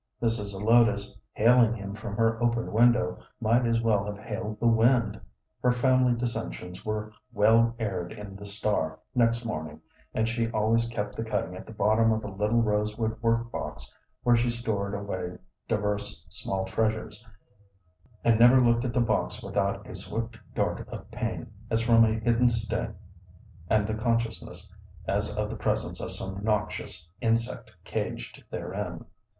Mrs. Zelotes, hailing him from her open window, might as well have hailed the wind. Her family dissensions were well aired in The Star next morning, and she always kept the cutting at the bottom of a little rosewood work box where she stored away divers small treasures, and never looked at the box without a swift dart of pain as from a hidden sting and the consciousness as of the presence of some noxious insect caged therein.